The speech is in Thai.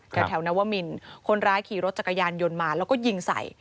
แถวนวมินคนร้ายขี่รถจักรยานยนต์มาแล้วก็ยิงใส่